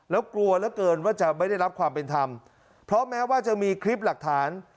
แล้วกลัวเหลือเกินว่าจะไม่ได้รับความเป็นธรรมเพราะแม้ว่าจะมีคลิปหลักฐาน